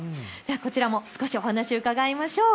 こちらも少しお話を伺いましょう。